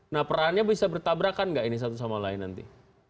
nah perannya bisa bertabrakan nggak ini satu sama lain nanti